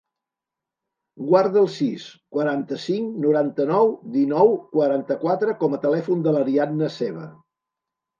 Guarda el sis, quaranta-cinc, noranta-nou, dinou, quaranta-quatre com a telèfon de l'Ariadna Seva.